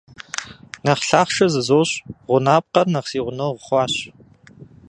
Нэхъ лъахъшэ зызощӀ — гъунапкъэр нэхъ си гъунэгъу хъуащ.